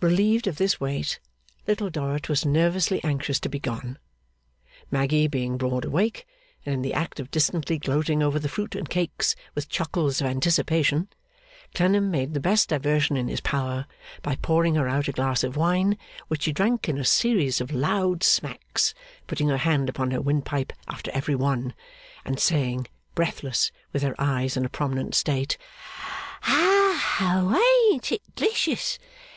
Relieved of this weight, Little Dorrit was nervously anxious to be gone. Maggy being broad awake, and in the act of distantly gloating over the fruit and cakes with chuckles of anticipation, Clennam made the best diversion in his power by pouring her out a glass of wine, which she drank in a series of loud smacks; putting her hand upon her windpipe after every one, and saying, breathless, with her eyes in a prominent state, 'Oh, ain't it d'licious!